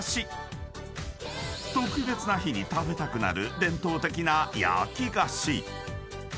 ［特別な日に食べたくなる伝統的な焼き菓子］